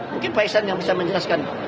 mungkin pak isan yang bisa menjelaskan